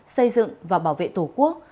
xây dựng và bảo vệ tổ quốc